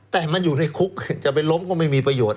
แต่มันอยู่ในคุกจะไปล้มก็ไม่มีประโยชน์